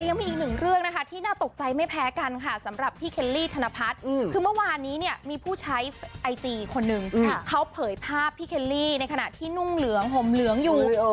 ยังมีอีกหนึ่งเรื่องนะคะที่น่าตกใจไม่แพ้กันค่ะสำหรับพี่เคลลี่ธนพัฒน์คือเมื่อวานนี้เนี่ยมีผู้ใช้ไอจีคนนึงเขาเผยภาพพี่เคลลี่ในขณะที่นุ่งเหลืองห่มเหลืองอยู่